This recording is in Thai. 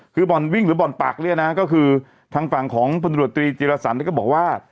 คือบ่อนวิ่งหรือบ่อนปักเนี่ยนะก็คือทางฝั่งของพลตรวจตรีจิรสันก็บอกว่า